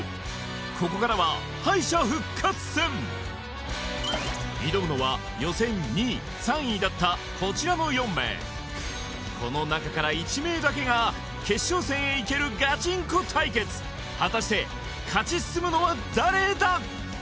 ここからは挑むのは予選２位３位だったこちらの４名この中から１名だけが決勝戦へ行けるガチンコ対決果たして勝ち進むのは誰だ？